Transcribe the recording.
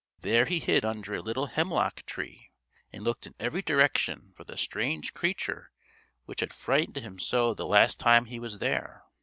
There he hid under a little hemlock tree and looked in every direction for the strange creature which had frightened him so the last time he was there.